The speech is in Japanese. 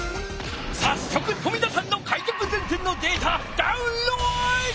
さっそく冨田さんの開脚前転のデータダウンロード！